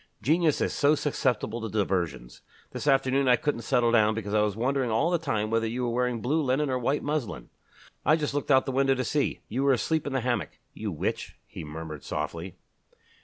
Genius is so susceptible to diversions. This afternoon I couldn't settle down because I was wondering all the time whether you were wearing blue linen or white muslin. I just looked out of the window to see you were asleep in the hammock ... you witch!" he murmured softly.